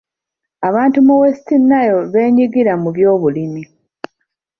Abantu mu West Nile beenyigira mu byobulimi.